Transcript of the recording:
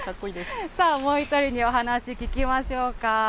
もう１人にお話聞きましょうか。